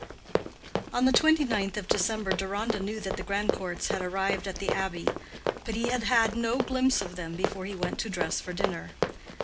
On the twenty ninth of December Deronda knew that the Grandcourts had arrived at the Abbey, but he had had no glimpse of them before he went to dress for dinner.